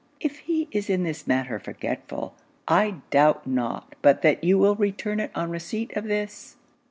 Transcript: If he is in this matter forgetful, I doubt not but that you will return it on receipt of this.